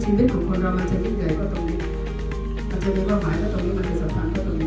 ชีวิตของคนเรามันชีวิตใหญ่ก็ตรงนี้มันชีวิตว่าหายแล้วตรงนี้มันมีสรรค์ก็ตรงนี้